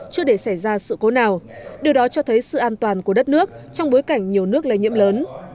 chưa để xảy ra sự cố nào điều đó cho thấy sự an toàn của đất nước trong bối cảnh nhiều nước lây nhiễm lớn